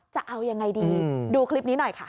จะเอายังไงดีดูคลิปนี้หน่อยค่ะ